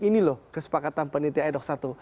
ini loh kesepakatan panitia n satu ratus satu